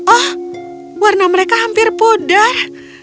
oh warna mereka hampir pudar